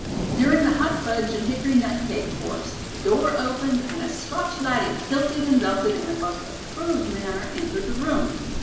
During the hot fudge and hickory nut cake course, the door opened and a Scotch laddie, kilted and belted in the most approved manner entered the room.